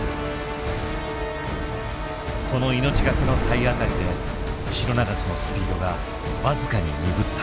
この命懸けの体当たりでシロナガスのスピードが僅かに鈍った。